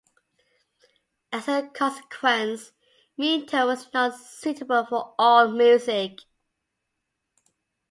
As a consequence, meantone was not suitable for all music.